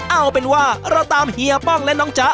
เอาเป็นว่าเราตามเฮียป้องและน้องจ๊ะ